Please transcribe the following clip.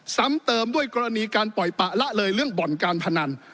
ซ้ำเติมด้วยกรณีการปล่อยปะละเลยเรื่องบ่อนการพนัน